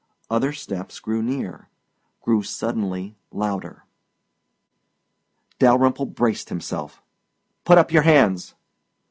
. other steps grew nears grew suddenly louder. Dalyrimple braced himself. "Put up your hands!"